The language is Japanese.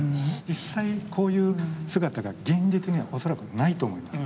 実際こういう姿が現実には恐らくないと思います。